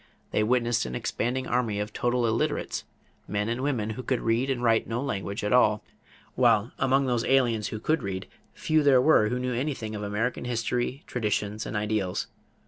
They witnessed an expanding army of total illiterates, men and women who could read and write no language at all; while among those aliens who could read few there were who knew anything of American history, traditions, and ideals.